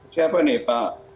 siapa ini pak